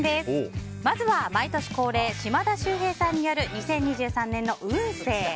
まずは、毎年恒例島田秀平さんによる２０２３年の運勢。